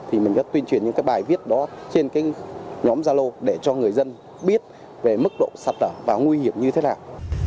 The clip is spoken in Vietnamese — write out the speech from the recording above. thì mình sẽ tuyên truyền những bài viết đó trên nhóm gia lô để cho người dân biết về mức độ sạc lỡ và nguy hiểm như thế nào